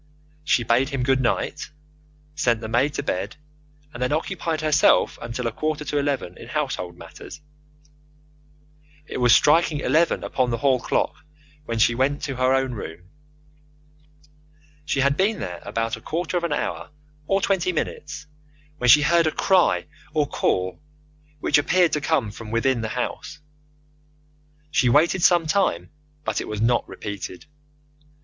She bade him good night, sent the maid to bed, and then occupied herself until a quarter to eleven in household matters. It was striking eleven upon the hall clock when she went to her own room. She had been there about a quarter of an hour or twenty minutes when she heard a cry or call, which appeared to come from within the house. She waited some time, but it was not repeated.